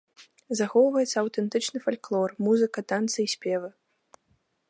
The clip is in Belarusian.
Захоўваецца аўтэнтычны фальклор, музыка, танцы і спевы.